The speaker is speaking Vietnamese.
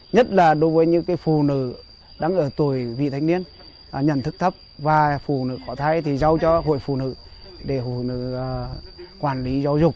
nhất là đối với những phụ nữ đang ở tuổi vị thanh niên nhận thức thấp và phụ nữ có thai thì giao cho hội phụ nữ để hội nữ quản lý giáo dục